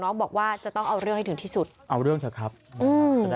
บอกว่าจะต้องเอาเรื่องให้ถึงที่สุดเอาเรื่องเถอะครับอืม